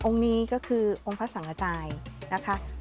องค์นี้ก็คือองค์พระสังอาจารย์นะคะ